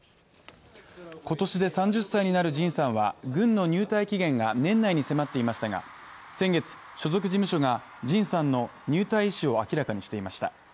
今年で３０歳になるＪＩＮさんは軍の入隊期限が年内に迫っていましたが先月所属事務所がＪＩＮさんの入隊意思を明らかにしていました